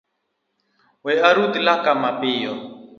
We arudh laka mapiyo